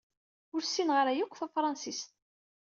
Ur ssineɣ ara yakk tafransist.